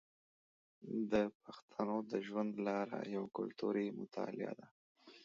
د پښتنو د ژوند لاره یوه کلتوري مطالعه ده.